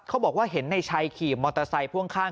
เขาบอกว่าเห็นในชัยขี่มอเตอร์ไซค์พ่วงข้าง